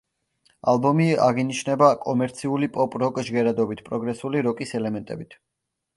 ალბომი აღინიშნება კომერციული პოპ-როკ ჟღერადობით, პროგრესული როკის ელემენტებით.